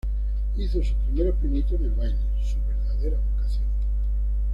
Hizo sus primeros pinitos en el baile, su verdadera vocación.